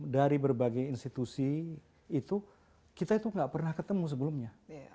dari berbagai institusi itu kita itu gak pernah ketemu sebelumnya